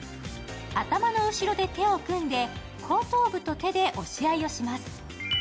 頭の後ろで手を組んで、後頭部と手で押し合いをします。